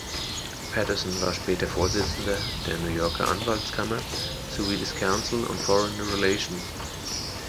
Patterson war später Vorsitzender der New Yorker Anwaltskammer sowie des "Council on Foreign Relations".